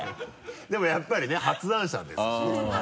でもやっぱりね発案者ですしね。